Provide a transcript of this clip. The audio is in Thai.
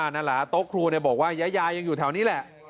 นั่นแหละโต๊ะครูบอกว่ายายายังอยู่แถวนี้แหละ